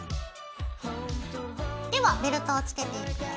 ではベルトをつけていくよ。